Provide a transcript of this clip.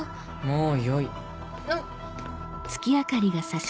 もうよい。